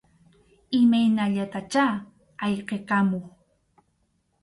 Imaynallatachá ayqikamuq.